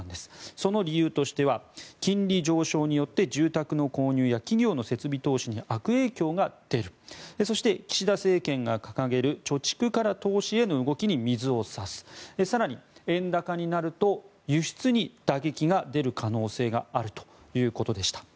その理由としては金利上昇によって住宅の購入や企業の設備投資に悪影響が出るそして、岸田政権が掲げる貯蓄から投資への動きに水を差す更に、円高になると輸出に打撃が出る可能性があるということでした。